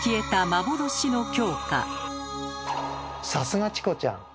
さすがチコちゃん！